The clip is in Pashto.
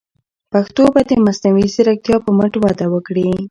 پښتو به د مصنوعي ځیرکتیا په مټ وده وکړي.